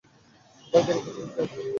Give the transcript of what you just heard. ভাই পুরাতত্ত্ববিদ কে আনছে।